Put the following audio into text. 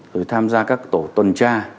rồi tham gia các tổ tuần tra